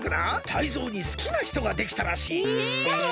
タイゾウにすきなひとができたらしい。え！？だれ！？